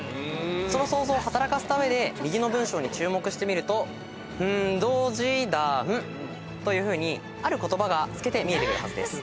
その想像を働かせた上で右の文章に注目してみると「○どじだ○」というふうにある言葉が透けて見えてくるはずです。